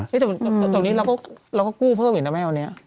นี่ตรงนี้เราก็กู้เพิ่มอีกนะแม่วันนี้